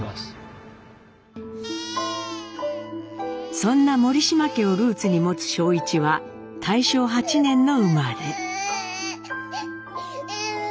そんな森島家をルーツに持つ正一は大正８年の生まれ。